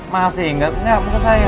masih nggak bukan saya